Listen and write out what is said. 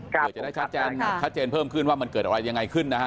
เกิดจะได้ชัดเจนเพิ่มขึ้นว่ามันเกิดอะไรยังไงขึ้นนะครับ